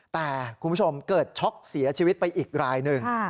แต่คุณผู้ชมเกิดช็อกเสียชีวิตไปอีกรายหนึ่ง